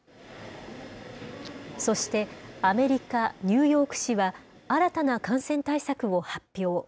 そして、アメリカ・ニューヨーク市は、新たな感染対策を発表。